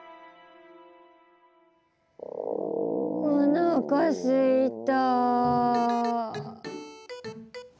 おなかすいた！